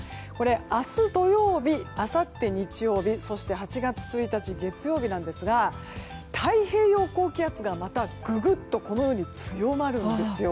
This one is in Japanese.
明日土曜日、あさって日曜日そして８月１日月曜日なんですが太平洋高気圧がまたググっと強まるんですよ。